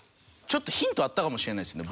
ちょっとヒントあったかもしれないですね